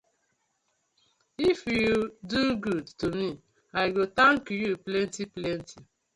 If yu do good to me, I go tank yu plenty plenty.